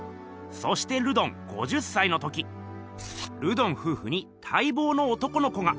そしてルドン５０歳の時ルドンふうふにたいぼうの男の子が。